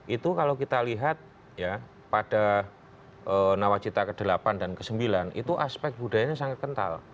itu kalau kita lihat ya pada nawacita ke delapan dan ke sembilan itu aspek budayanya sangat kental